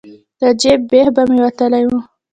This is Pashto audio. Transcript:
د جیب بیخ به مې وتلی و.